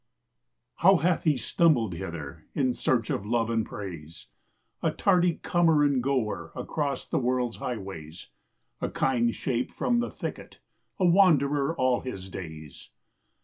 HOW hath he stumbled hither, in search of love and praise, A tardy comer and goer across the world's highways, A kind shape from the thicket, a wanderer all his days?